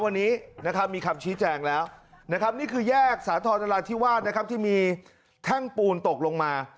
วันนี้นะครับมีคำชี้แจงแล้วนะครับนี่คือแยกสาธรณราธิวาสนะครับที่มีแท่งปูนตกลงมา